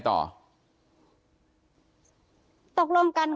ถ้าพี่